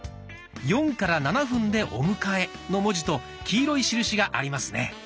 「４７分でお迎え」の文字と黄色い印がありますね。